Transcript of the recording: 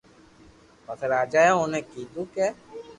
پسي راجا اي اوني ڪآدو ڪي